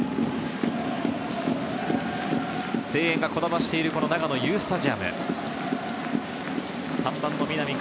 声援がこだましている長野Ｕスタジアム。